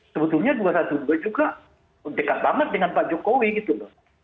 sebetulnya dua ratus dua belas juga dekat banget dengan pak jokowi gitu loh